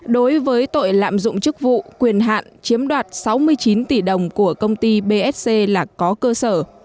đối với tội lạm dụng chức vụ quyền hạn chiếm đoạt sáu mươi chín tỷ đồng của công ty bsc là có cơ sở